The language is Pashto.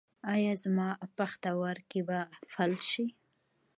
ایا زما پښتورګي به فلج شي؟